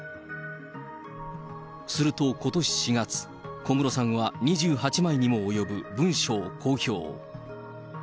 すると、ことし４月、小室さんは２８枚にも及ぶ文書を公表。